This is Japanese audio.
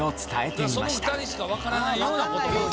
その２人しかわからないような言葉。